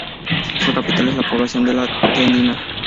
Su capital es la población de La Tendida.